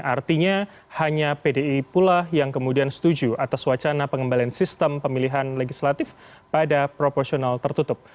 artinya hanya pdi pula yang kemudian setuju atas wacana pengembalian sistem pemilihan legislatif pada proporsional tertutup